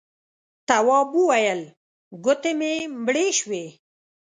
تواب وويل: گوتې مې مړې شوې.